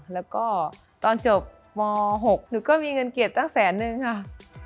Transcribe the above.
แล้วก็ตอนจบม๖หนูก็มีเงินเกียรติตั้งแสนนึงค่ะ